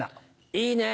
いいねぇ。